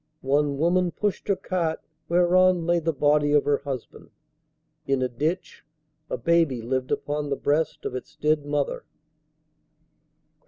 One women pushed her cart whereon lay the body of her husband. In a ditch a baby lived upon the breast of its dead mother.